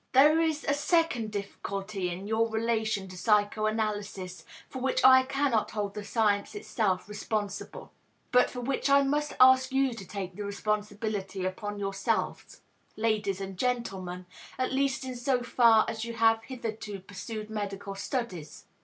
There is a second difficulty in your relation to psychoanalysis for which I cannot hold the science itself responsible, but for which I must ask you to take the responsibility upon yourselves, ladies and gentlemen, at least in so far as you have hitherto pursued medical studies.